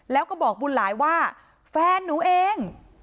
แล้วก็บอกบุญหลายว่าแฟนหนูเอง